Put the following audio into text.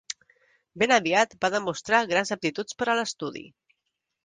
Ben aviat va demostrar grans aptituds per a l'estudi.